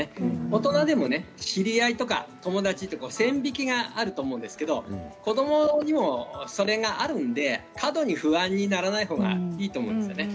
大人でも知り合いとか友達とか線引きがあると思うんですけど子どもにもそれがあるので過度に不安にならないほうがいいと思うんですね。